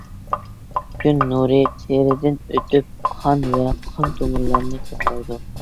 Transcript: كۈن نۇرى تېرىدىن ئۆتۈپ قان ۋە قان تومۇرلارنى تازىلايدۇ.